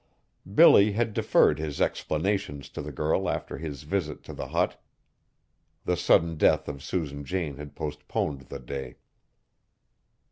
Billy had deferred his explanations to the girl after his visit to the hut; the sudden death of Susan Jane had postponed the day.